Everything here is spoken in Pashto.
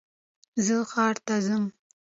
زه ښار ته ځم